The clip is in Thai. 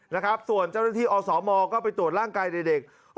นะครับส่วนเจ้าหน้าที่อสมก็ไปตรวจร่างกายเด็ก